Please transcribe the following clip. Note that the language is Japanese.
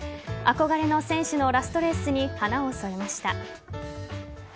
憧れの選手のラストレースに華を添えました。